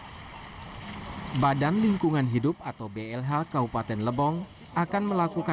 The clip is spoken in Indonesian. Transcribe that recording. sementara itu badan lingkungan hidup atau blh kabupaten lebong akan memeriksa